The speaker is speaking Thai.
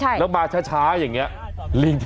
เห็นน้ำได้ปะสองไม้สองมือ